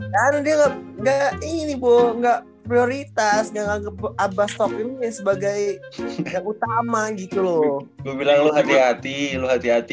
bu nggak prioritas yang anggap abbas top ini sebagai yang utama gitu loh hati hati hati hati